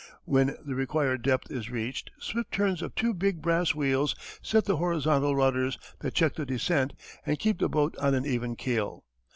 When the required depth is reached swift turns of two big brass wheels set the horizontal rudders that check the descent and keep the boat on an even keel.